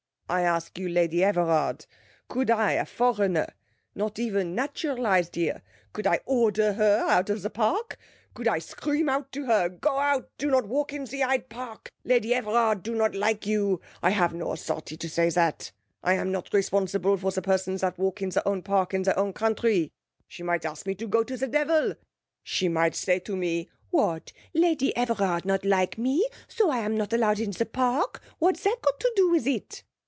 I ask you, Lady Everard, could I, a foreigner, not even naturalised here, could I order her out of the park? Could I scream out to her: Go out, do not walk in ze Hyde Park! Lady Everard do not like you! I have no authority to say that. I am not responsible for the persons that walk in their own park in their own country. She might answer me to go to the devil! She might say to me: What, Lady Everard not like me, so I am not allowed in the park? What that got to do with it?